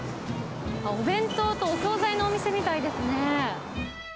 お弁当とお総菜のお店みたいですね。